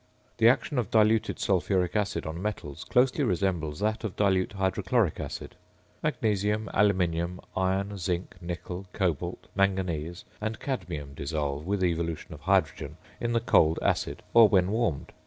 The action of diluted sulphuric acid on metals closely resembles that of dilute hydrochloric acid. Magnesium, aluminium, iron, zinc, nickel, cobalt, manganese, and cadmium dissolve, with evolution of hydrogen, in the cold acid, or when warmed.